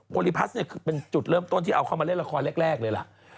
ลิพัสเนี่ยคือเป็นจุดเริ่มต้นที่เอาเข้ามาเล่นละครแรกเลยล่ะ